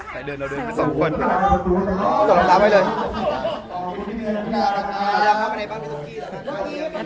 ไปถ่ายกษานเอา